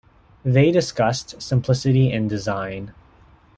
They discussed simplicity in design.